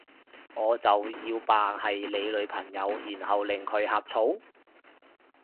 我就要扮係你女朋友，然後令佢呷醋？